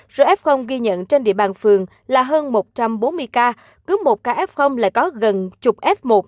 rf ghi nhận trên địa bàn phường là hơn một trăm bốn mươi ca cứ một ca f lại có gần chục f một